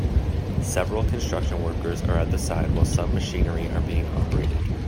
Several construction workers are at the side while some machinery are being operated.